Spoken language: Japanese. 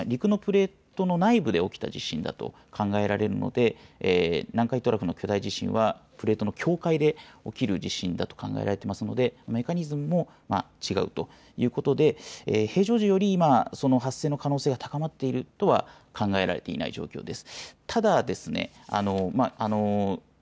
そして気象庁もこの地震のメカニズムについて陸のプレートの内部で起きた地震だと考えられるので南海トラフの巨大地震はプレートの境界で起きる地震だと考えられていますのでメカニズムも違うということで平常時より今、発生の可能性が高まっているとは考えられていない状況です。